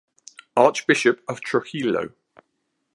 Archbishop of Trujillo.